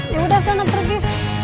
ya udah sana pergi